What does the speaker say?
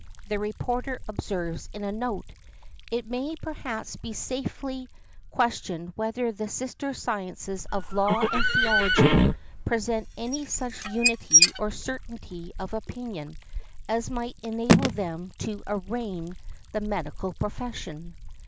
the reporter observes in a note: "It may, perhaps, be safely questioned whether the sister sciences of law and theology present any such unity or certainty of opinion as might enable them to arraign the medical profession."